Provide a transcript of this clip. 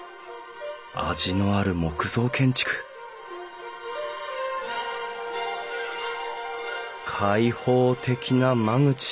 味のある木造建築開放的な間口。